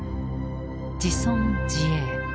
「自存自衛」。